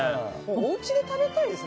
おうちで食べたいですね